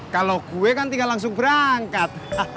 kalau gue kan tinggal langsung berangkat